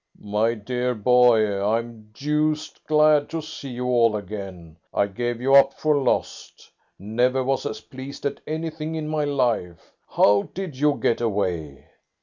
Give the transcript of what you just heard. "My dear boy, I am deuced glad to see you all again. I gave you up for lost. Never was as pleased at anything in my life! How did you get away?"